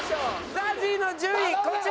ＺＡＺＹの順位こちら！